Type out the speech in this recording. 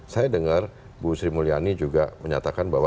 saya dengar bu sri mulyani juga menyatakan bahwa